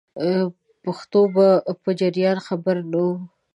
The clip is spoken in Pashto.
پیښو په جریان خبر نه وو.